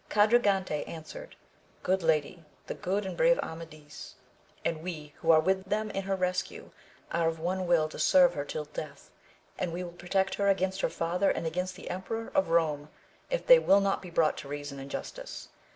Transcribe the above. Quadragante answered. Good lady, the good and brave Amadis and 5—2 68 AMADIS OF GAUL. we who are with him in her rescue, are of one will to serve her till death, and we will protect her against her father and against the emperor of Rome, if they will not be brought to reason and justice.